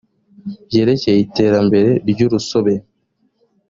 byerekeye iterambere ry urusobe